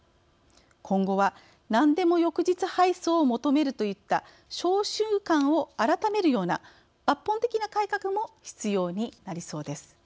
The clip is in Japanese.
今後はなんでも翌日配送を求めるといった商習慣を改めるような抜本的な改革も必要になりそうです。